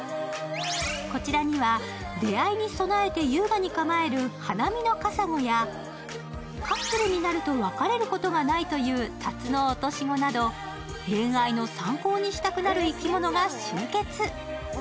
こちらには、出会いに備えて優雅に構えるハナミノカサゴやカップルになると別れることがないというタツノオトシゴなど、恋愛の参考にしたくなる生き物が集結。